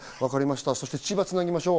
そして千葉につなぎましょう。